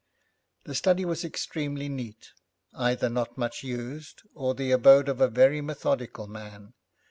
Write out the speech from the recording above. The study was extremely neat, either not much used, or the abode of a very methodical man.